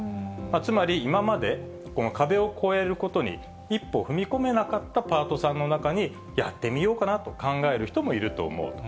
つまり、今までこの壁を超えることに一歩踏み込めなかったパートさんの中に、やってみようかなと考える人もいると思うと。